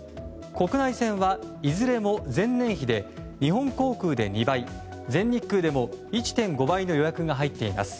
国内線はいずれも前年比で日本航空で２倍全日空でも１．５倍の予約が入っています。